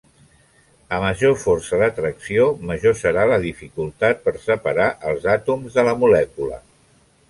A major força d'atracció major serà la dificultat per separar els àtoms de la molècula.